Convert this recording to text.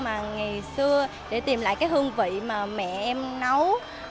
mà ngày xưa để tìm lại cái hương vị mà mẹ em nấu